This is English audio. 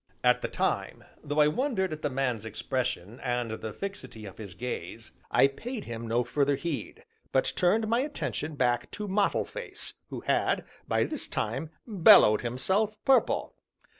At the time, though I wondered at the man's expression, and the fixity of his gaze, I paid him no further heed, but turned my attention back to Mottle face, who had, by this time, bellowed himself purple.